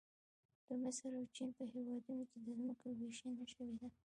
د مصر او چین په هېوادونو کې د ځمکو ویشنه شوې ده